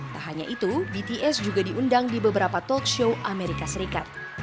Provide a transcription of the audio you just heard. tak hanya itu bts juga diundang di beberapa talkshow amerika serikat